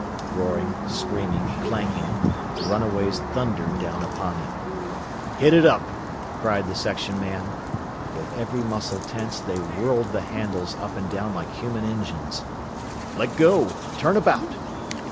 Roaring, screaming, clanking, the runaways thundered down upon them. "Hit it up!" cried the section man. With every muscle tense they whirled the handles up and down like human engines. "Let go! Turn about!"